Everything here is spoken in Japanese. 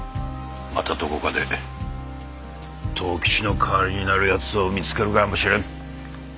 またどこかで藤吉の代わりになるやつを見つけるかもしれん。